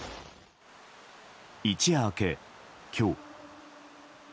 一夜明け、今日。